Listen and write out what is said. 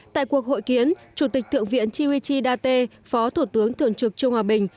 tại cuộc hội kiến chủ tịch thượng viện chiwichi date phó thủ tướng thường trực chiêu hòa bình